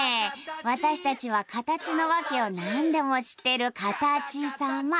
私たちはカタチのワケを何でも知ってる「カタチさま」。